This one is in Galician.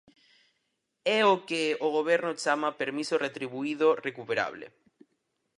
É o que o Goberno chama permiso retribuído recuperable.